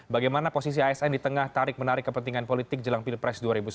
bagaimana posisi asn di tengah tarik menarik kepentingan politik jelang pilpres dua ribu sembilan belas